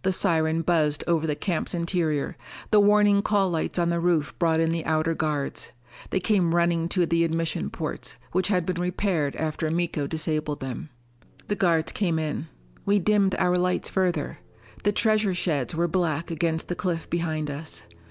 The siren buzzed over the camp's interior; the warning call lights on the roof brought in the outer guards. They came running to the admission ports, which had been repaired after Miko disabled them. The guards came in. We dimmed our lights further. The treasure sheds were black against the cliff behind us.